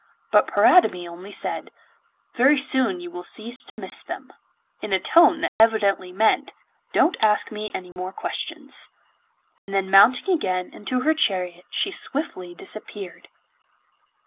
But Paridamie only said: 'Very soon you will cease to miss them!' in a tone that evidently meant 'Don't ask me any more questions.' And then mounting again into her chariot she swiftly disappeared.